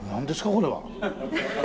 これは。